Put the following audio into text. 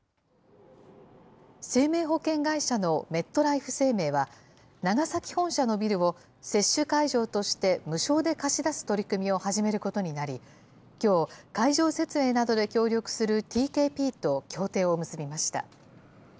生命保険会社のメットライフ生命は、長崎本社のビルを、接種会場として無償で貸し出す取り組みを始めることになり、きょう、会場設営などで協力するティーケーピーと協定を結びました。